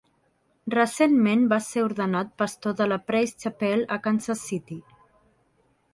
Recentment va ser ordenat pastor de la Praise Chapel a Kansas City.